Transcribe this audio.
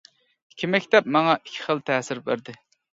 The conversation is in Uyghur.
ئىككى مەكتەپ ماڭا ئىككى خىل تەسىر بەردى.